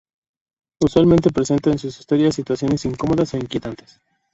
Usualmente presenta en sus historias situaciones incómodas o inquietantes.